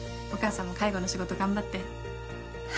お母さんも介護の仕事頑張って。